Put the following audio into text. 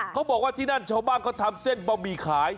เขาบอกว่าที่นั่นชาวบ้านเขาทำเส้นบะหมี่ขาย